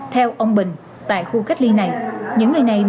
theo ông bình tại khu cách ly này